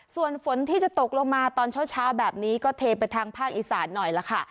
ส่วนฝนที่จะตกลงมาตอนเช้าแบบนี้ก็เทไปทางภาคอีสานหน่อยล่ะค่ะ